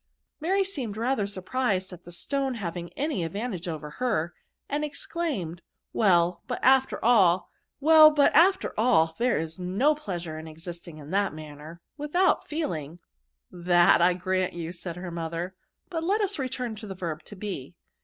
Mary seemed rather surprised at the stone having any advantage over her, and ex claimed, " Well, but after all, there is no pleasure in existing in that manner, without feeling.'* " That I grant you," said her mother ;" but let lis return to the verb to be.